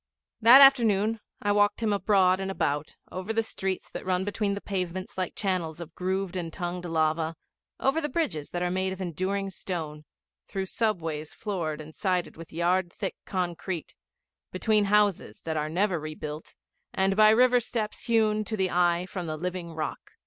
That afternoon I walked him abroad and about, over the streets that run between the pavements like channels of grooved and tongued lava, over the bridges that are made of enduring stone, through subways floored and sided with yard thick concrete, between houses that are never rebuilt, and by river steps hewn, to the eye, from the living rock.